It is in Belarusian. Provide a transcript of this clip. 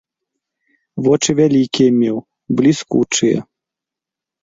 Вочы вялікія меў, бліскучыя.